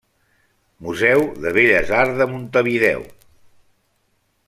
Museu de Belles arts de Montevideo.